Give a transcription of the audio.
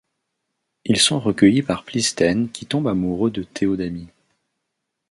Ils sont recueillis par Plisthène qui tombe amoureux de Théodamie.